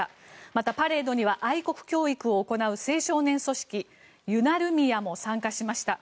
またパレードには愛国教育を行う青少年組織ユナルミヤも参加しました。